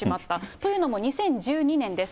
というのも２０１２年です。